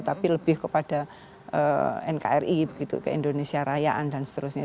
menjadi kepada nkri begitu ke indonesia rayaan dan seterusnya